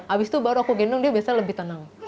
abis itu baru aku gendong dia biasanya lebih tenang